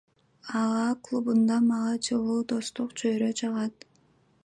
АА клубунда мага жылуу достук чөйрө жагат.